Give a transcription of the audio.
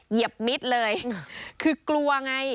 เหยียบมิดเลยคือกลัวไง